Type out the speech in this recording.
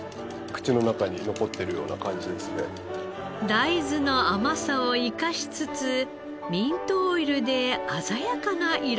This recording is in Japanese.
大豆の甘さを生かしつつミントオイルで鮮やかな彩りに。